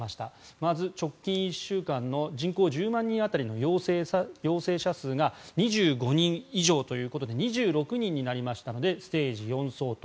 まず、直近１週間の人口１０万人当たりの陽性者数が２５人以上ということで２６人になりましたのでステージ４相当。